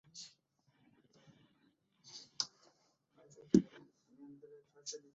যে চিঠিখানা ছিঁড়ে ফেলেছে তার বেদনা কিছুতেই মন থেকে যাচ্ছে না।